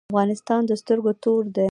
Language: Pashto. افغانستان د سترګو تور دی